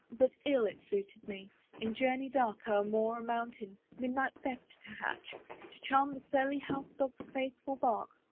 But ill it suited me, in journey dark O'er moor and mountain, midnight theft to hatch; To charm the surly house dog's faithful bark.